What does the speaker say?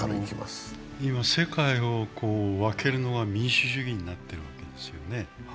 今、世界を分けるのは民主主義になっているわけですよね。